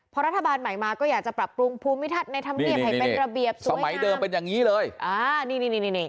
พอรัฐบาลใหม่มาก็จะอยากปรับปรุงภูมิทัศน์ในทำเรียบให้เป็นระเบียบตู้ใยข้าม